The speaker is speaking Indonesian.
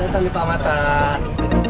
kita mau ke palmatak